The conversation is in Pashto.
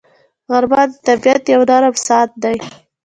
غرمه د طبیعت یو نرم ساعت دی